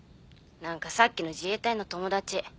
何かさっきの自衛隊の友達。